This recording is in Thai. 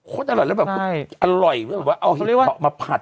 หรอฮะโคตรอร่อยแล้วแบบอร่อยเอาเห็ดเพราะมาผัด